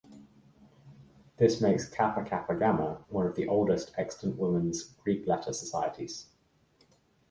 This makes Kappa Kappa Gamma one of the oldest extant women's Greek-letter societies.